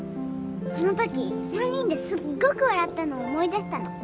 その時３人ですっごく笑ったの思い出したの。